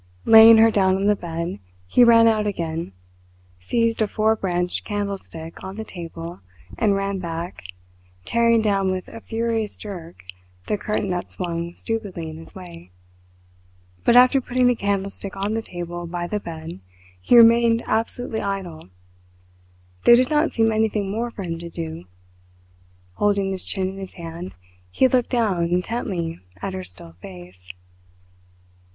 Laying her down on the bed, he ran out again, seized a four branched candlestick on the table, and ran back, tearing down with a furious jerk the curtain that swung stupidly in his way, but after putting the candlestick on the table by the bed, he remained absolutely idle. There did not seem anything more for him to do. Holding his chin in his hand he looked down intently at her still face.